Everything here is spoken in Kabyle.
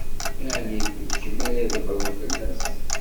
Ɛni d kemm ara ydebbṛen fell-as?